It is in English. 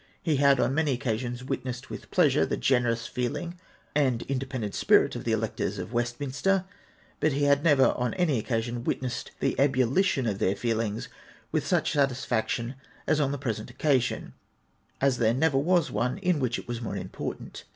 He had on many occasions witnessed with pleasure the generous feeling and independent spirit of the electors of Westminster; but he had never on any occasion witnessed the ebullition of their feelings with such satisfaction as on the present occasion, as there never was one in which it was more important.